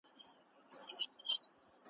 هغه د داسې دورې تاريخ پوهه و